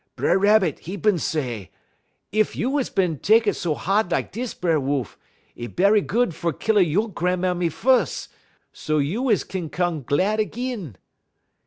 B'er Rabbit, 'e bin say: "'Ef you is bin tek it so ha'd lak dis, B'er Wolf, 'e bery good fer kill a you' gran'mammy fus', so you is kin come glad ag'in.'